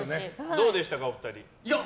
どうでしたか、お二人。